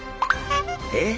えっ？